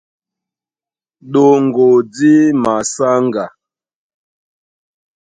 Ɗoŋgo dí masáŋga.